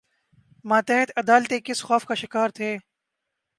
ماتحت عدالتیں کس خوف کا شکار تھیں؟